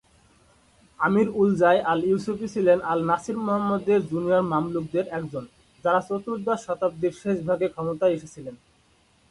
আমির Uljay al Yusufi ছিলেন al Nasir মুহাম্মদের junior মামলুকদের একজন যারা চতুর্দশ শতাব্দীর শেষভাগে ক্ষমতায় এসেছিলেন।